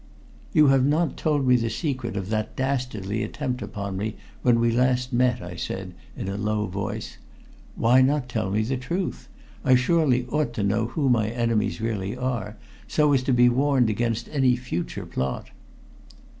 "You have not told me the secret of that dastardly attempt upon me when we last met," I said in a low voice. "Why not tell me the truth? I surely ought to know who my enemies really are, so as to be warned against any future plot."